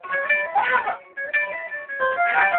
د اسلام دین د ټول بشریت دپاره دی.